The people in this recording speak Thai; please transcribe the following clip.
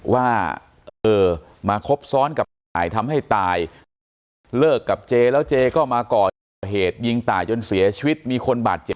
ว่าเออมาคบซ้อนกับตายทำให้ตายนะเลิกกับเจแล้วเจก็มาก่อเหตุยิงตายจนเสียชีวิตมีคนบาดเจ็บ